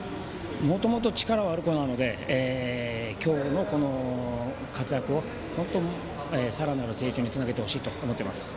もともと力はある子なので活躍を本当にさらなる成長につなげてほしいと思ってます。